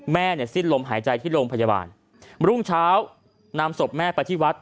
แม่เนี่ยสิ้นลมหายใจที่โรงพยาบาลรุ่งเช้านำศพแม่ไปที่วัด